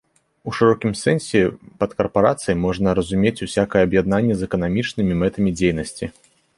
У шырокім сэнсе пад карпарацыяй можна разумець усякае аб'яднанне з эканамічнымі мэтамі дзейнасці.